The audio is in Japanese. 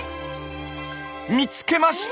見つけました！